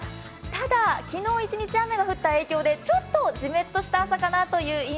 ただ、昨日一日雨が降った影響で、ちょっとじめっとした朝かなと。